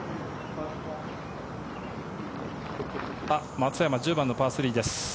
松山１０番のパー３です。